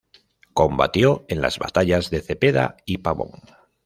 Combatió en las batallas de Cepeda y Pavón.